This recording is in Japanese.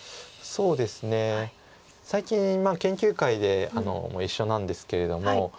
そうですね最近研究会で一緒なんですけれども。